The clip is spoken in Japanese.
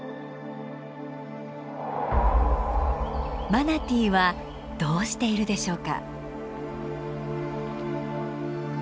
マナティーはどうしているでしょうか？